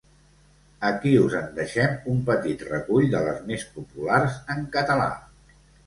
Aquí us en deixem un petit recull de les més populars en català.